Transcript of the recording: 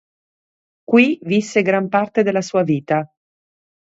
Qui visse gran parte della sua vita.